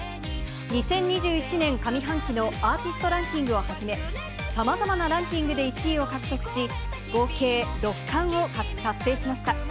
２０２１年上半期のアーティストランキングをはじめ、さまざまなランキングで１位を獲得し、合計６冠を達成しました。